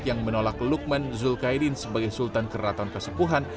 yang menolak lukman julkaidin sebagai sultan keraton kasepuhan